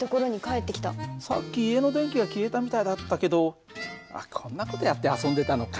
さっき家の電気が消えたみたいだったけどこんな事やって遊んでたのか。